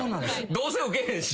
どうせウケないし。